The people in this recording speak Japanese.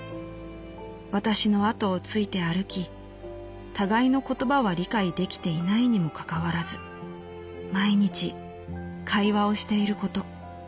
私の後をついて歩き互いの言葉は理解できていないにもかかわらず毎日会話をしていること。